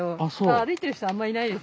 歩いてる人あんまいないです。